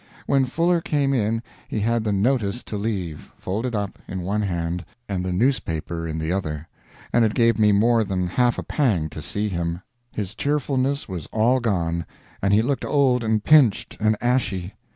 When Fuller came in he had the Notice to Leave folded up in one hand, and the newspaper in the other; and it gave me more than half a pang to see him. His cheerfulness was all gone, and he looked old and pinched and ashy.